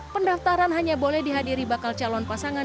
pendaftaran hanya boleh dihadiri bakal calon pasangan